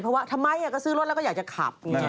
เพราะว่าทำไมก็ซื้อรถแล้วก็อยากจะขับ